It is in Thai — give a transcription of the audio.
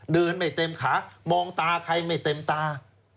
ไม่เต็มขามองตาใครไม่เต็มตา